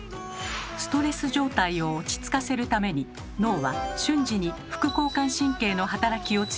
ストレス状態を落ち着かせるために脳は瞬時に副交感神経の働きを強め優位にします。